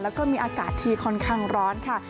แล้วก็มีอากาศที่ค่อนข้างร้อนค่ะ